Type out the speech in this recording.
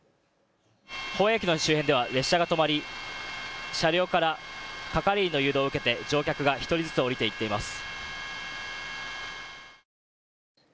保谷駅の周辺では列車が止まり車両から係員の誘導を受けて乗客が１人ずつ降りています。